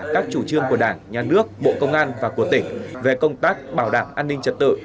các chủ trương của đảng nhà nước bộ công an và của tỉnh về công tác bảo đảm an ninh trật tự